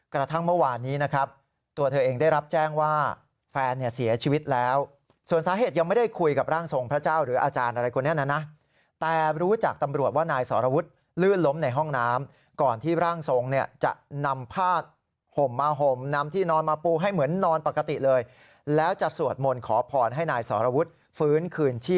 กระทั่งเมื่อวานนี้นะครับตัวเธอเองได้รับแจ้งว่าแฟนเนี่ยเสียชีวิตแล้วส่วนสาเหตุยังไม่ได้คุยกับร่างทรงพระเจ้าหรืออาจารย์อะไรคนนี้นะนะแต่รู้จากตำรวจว่านายสรวุฒิลื่นล้มในห้องน้ำก่อนที่ร่างทรงเนี่ยจะนำผ้าห่มมาห่มนำที่นอนมาปูให้เหมือนนอนปกติเลยแล้วจะสวดมนต์ขอพรให้นายสรวุฒิฟื้นคืนชีพ